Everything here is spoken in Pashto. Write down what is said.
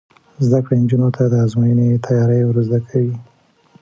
زده کړه نجونو ته د ازموینې تیاری ور زده کوي.